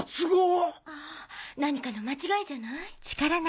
何かの間違いじゃない？